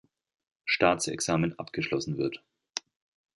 Staatsexamen abgeschlossen wird.